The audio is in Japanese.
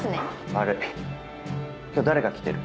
悪い今日誰が来てる？